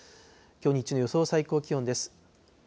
きょう日中の予想最高気温です。